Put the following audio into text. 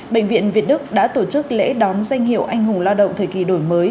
bệnh viện việt đức đã tổ chức lễ đón danh hiệu anh hùng lao động thời kỳ đổi mới